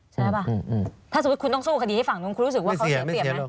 ใช่ป่ะถ้าสมมุติคุณต้องสู้คดีให้ฝั่งนู้นคุณรู้สึกว่าเขาเสียเปรียบไหม